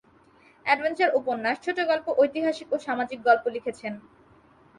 Adventure উপন্যাস, ছোটগল্প, ঐতিহাসিক ও সামাজিক গল্প লিখেছেন।